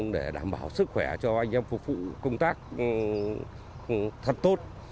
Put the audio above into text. để đảm bảo sức khỏe cho anh em phục vụ công tác thật tốt